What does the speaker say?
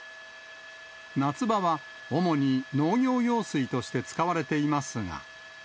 夏場は主に農業用水として使われていますが。